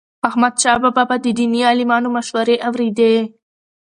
احمدشاه بابا به د دیني عالمانو مشورې اوريدي.